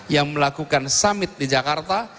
yang melakukan summit di jakarta